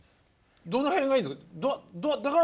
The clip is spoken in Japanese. どの辺がいいんですか？